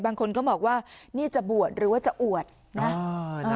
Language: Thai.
บางคนก็บอกว่านี่จะบวชหรือว่าจะอวดนะ